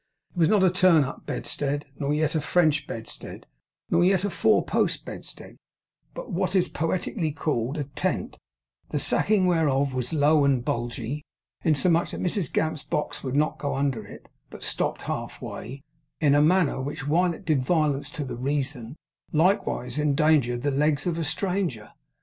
It was not a turn up bedstead, nor yet a French bedstead, nor yet a four post bedstead, but what is poetically called a tent; the sacking whereof was low and bulgy, insomuch that Mrs Gamp's box would not go under it, but stopped half way, in a manner which, while it did violence to the reason, likewise endangered the legs of a stranger.